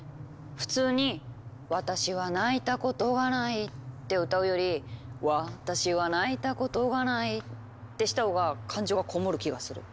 普通に「私は泣いたことがない」って歌うより「私は泣いたことがない」ってしたほうが感情がこもる気がする。